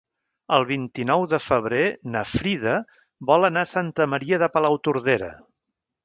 El vint-i-nou de febrer na Frida vol anar a Santa Maria de Palautordera.